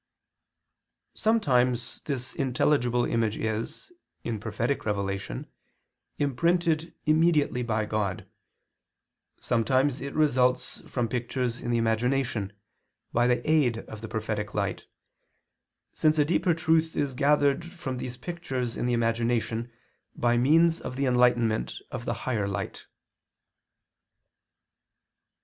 Sometimes this intelligible image is, in prophetic revelation, imprinted immediately by God, sometimes it results from pictures in the imagination, by the aid of the prophetic light, since a deeper truth is gathered from these pictures in the imagination by means of the enlightenment of the higher light.